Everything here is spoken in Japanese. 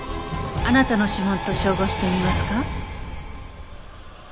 あなたの指紋と照合してみますか？